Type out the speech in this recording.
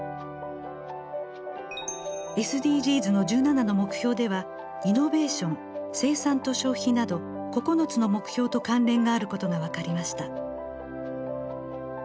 ＳＤＧｓの１７の目標では「イノベーション」「生産と消費」など９つの目標と関連があることが分かりました。